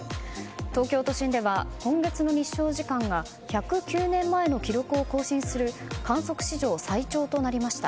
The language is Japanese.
東京都心では今月の日照時間が１０９年前の記録を更新する観測史上最長となりました。